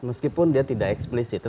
meskipun dia tidak eksplisit